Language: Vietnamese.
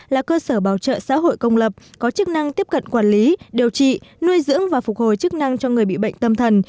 là cơ sở bảo trợ xã hội công lập có chức năng tiếp cận quản lý điều trị nuôi dưỡng và phục hồi chức năng cho người bị bệnh tâm thần